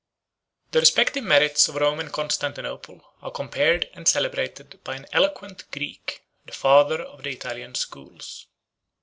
The respective merits of Rome and Constantinople are compared and celebrated by an eloquent Greek, the father of the Italian schools.